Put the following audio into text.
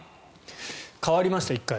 変わりました１回。